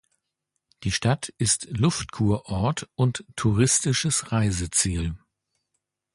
Die Stadt ist Luftkurort und touristisches Reiseziel.